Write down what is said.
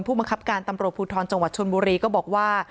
บังคับการตำรวจภูทรจังหวัดชนบุรีก็บอกว่า